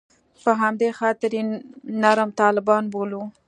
په همدې خاطر یې نرم طالبان وبولو.